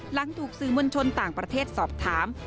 หลังถูกสื่อมวลชนต่างประเทศสอบถาม